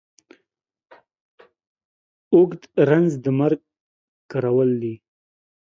اوږ د رنځ د مرگ کرول دي.